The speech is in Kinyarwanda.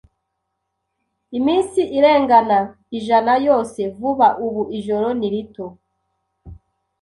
Iminsi irengana ijana yose vuba ubu ijoro ni rito